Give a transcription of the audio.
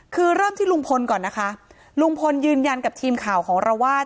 คือเริ่มที่ลุงพลก่อนนะคะลุงพลยืนยันกับทีมข่าวของเราว่า